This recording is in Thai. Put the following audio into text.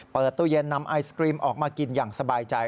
เปิดตู้เย็นนำไอศกรีมออกมากินอย่างสบายใจ